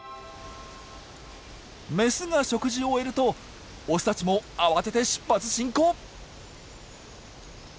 メスが食事を終えるとオスたちも慌てて出発進行。